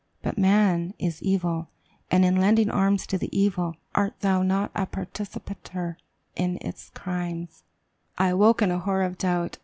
But man is evil. And in lending arms to the evil, art thou not a participator in his crimes?" "'I awoke in a horror of doubt!